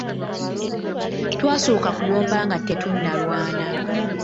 Twasoka kuyomba nga tetunalwana!